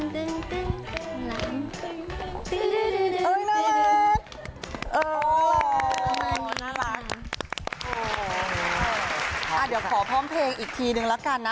เดี๋ยวขอพร้อมเพลงอีกทีนึงละกันนะ